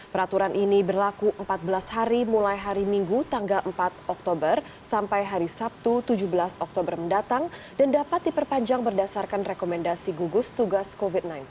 peraturan ini berlaku empat belas hari mulai hari minggu tanggal empat oktober sampai hari sabtu tujuh belas oktober mendatang dan dapat diperpanjang berdasarkan rekomendasi gugus tugas covid sembilan belas